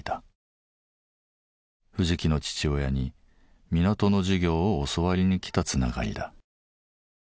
藤木の父親に港の事業を教わりに来たつながりだ。